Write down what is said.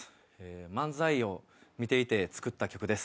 漫才を見ていて作った曲です。